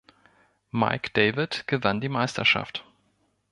Mike David gewann die Meisterschaft.